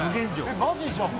えっマジじゃん！